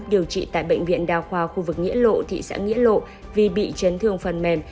điều trị tại bệnh viện đa khoa khu vực nghĩa lộ thị xã nghĩa lộ vì bị chấn thương phần mềm